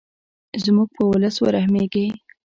زموږ په ولس ورحمیږې.